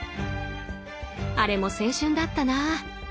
あれも青春だったな。